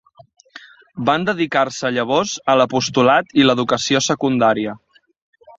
Van dedicar-se llavors a l'apostolat i l'educació secundària.